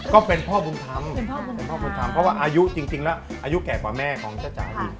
ก็เป็นพ่อบุญทำเพราะว่าอายุจริงละอายุแก่กว่าแม่ของเจ้าจ๋าเนี่ย